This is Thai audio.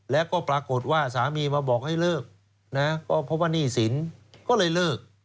แล้วก็ปรากฏว่าสามีมาบอกให้เลิกนะก็เพราะว่าหนี้สินก็เลยเลิก